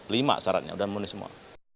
lima syaratnya udah mulai semua